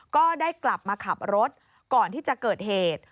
ก็ได้กลับมาขับรถก่อนที่จะเกิดเหตุ